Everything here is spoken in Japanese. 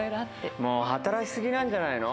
もう働き過ぎなんじゃないの？